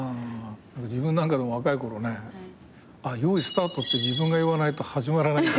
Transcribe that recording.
自分なんか若い頃ね「用意スタート」って自分が言わないと始まらない。